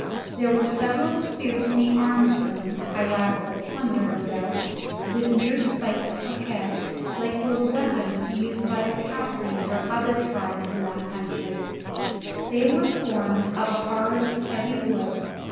There were several spears in the arms room (piratical plunder, no doubt) with mere spikes for heads, like those weapons used by the Caffres and other tribes in that country; they were formed of a hard heavy wood.